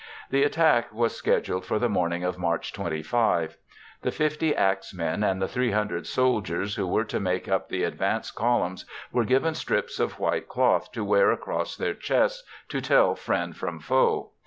The attack was scheduled for the morning of March 25. The 50 axmen and the 300 soldiers who were to make up the advance columns were given strips of white cloth to wear across their chests to tell friend from foe.